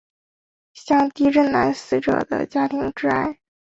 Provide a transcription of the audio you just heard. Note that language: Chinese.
向地震男死者的家庭致哀。